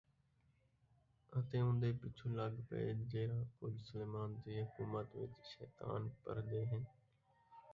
اَتے اُون٘دے پِچھُّوں لڳ پئے جِہڑا کُجھ سلیمان دِی حکومت وِچ شیطان پڑھدے ہن،